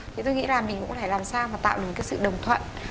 thì tôi nghĩ là mình cũng phải làm sao mà tạo được cái sự đồng thuận